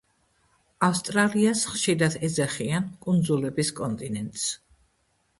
ავსტრალიას ხშირად ეძახიან კუნძულების კონტინენტს.